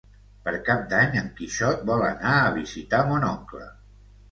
Per Cap d'Any en Quixot vol anar a visitar mon oncle.